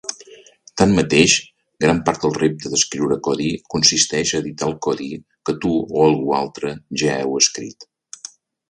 Tanmateix, gran part del repte d'escriure codi consisteix a editar el codi que tu o algú altre ja heu escrit.